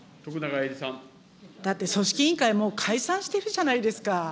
だって、組織委員会、もう解散してるじゃないですか。